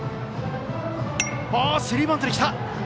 スリーバントできた。